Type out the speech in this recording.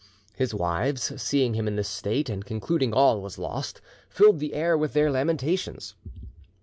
His wives, seeing him in this state, and concluding all was lost, filled the air with their lamentations.